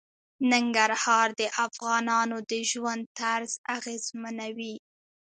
ننګرهار د افغانانو د ژوند طرز اغېزمنوي.